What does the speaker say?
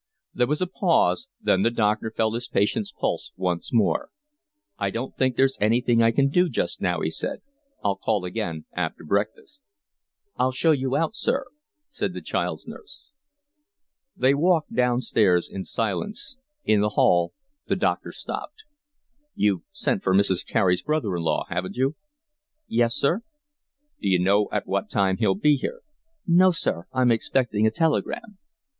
There was a pause. Then the doctor felt his patient's pulse once more. "I don't think there's anything I can do just now," he said. "I'll call again after breakfast." "I'll show you out, sir," said the child's nurse. They walked downstairs in silence. In the hall the doctor stopped. "You've sent for Mrs. Carey's brother in law, haven't you?" "Yes, sir." "D'you know at what time he'll be here?" "No, sir, I'm expecting a telegram."